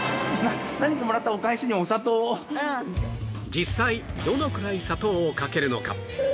実際どのくらい砂糖をかけるのか